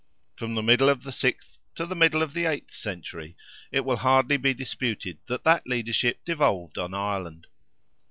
From the middle of the sixth to the middle of the eighth century, it will hardly be disputed that that leadership devolved on Ireland.